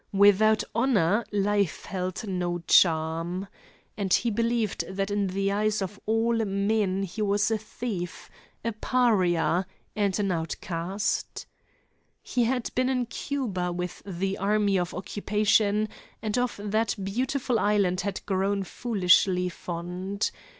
Without honor life held no charm. And he believed that in the eyes of all men he was a thief, a pariah, and an outcast. He had been in Cuba with the Army of Occupation, and of that beautiful island had grown foolishly fond.